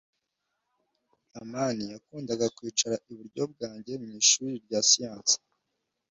amani yakundaga kwicara iburyo bwanjye mu ishuri rya siyanse.